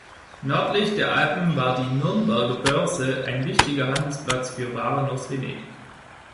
Nördlich der Alpen war die Nürnberger Börse ein wichtiger Handelsplatz für Waren aus Venedig.